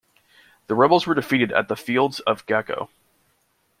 The rebels were defeated at the field of Gacko.